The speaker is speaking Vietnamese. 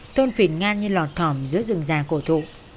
thôn phìn ngang như lọt thỏm giữa rừng già cổ thụ